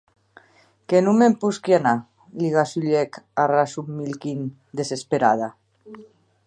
Que non me’n posqui anar, li gasulhèc a Rasumikhine, desesperada.